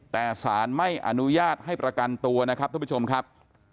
แต่สารไม่อนุญาตให้ประกันตัวนะครับท่านผู้ชมครับ